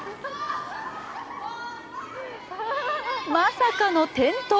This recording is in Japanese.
まさかの転倒。